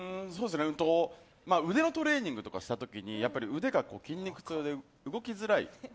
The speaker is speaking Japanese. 腕のトレーニングとかした時に腕が筋肉痛で動きづらい。